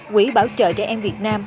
quỹ bảo trợ trẻ em việt nam